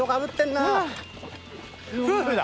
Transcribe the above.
夫婦だ！